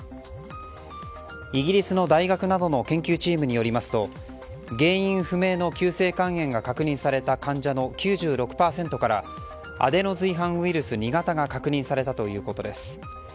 イギリスの大学などの研究チームによりますと原因不明の急性肝炎が確認された患者の９６％からアデノ随伴ウイルス２型が確認されたということです。